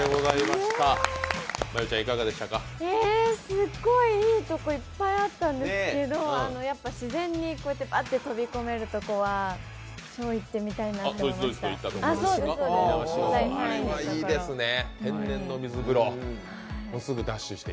すっごいいいとこいっぱいあったんですけど自然にうわっと飛び込めるところは超行ってみたいなと思いました。